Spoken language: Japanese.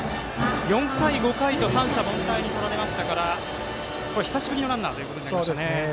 ４回、５回と三者凡退に終わりましたから久しぶりのランナーということになりましたね。